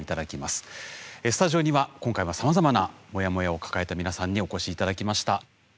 スタジオには今回もさまざまなモヤモヤを抱えた皆さんにお越し頂きました。